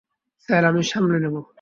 Sir, আমি সামলে নেব।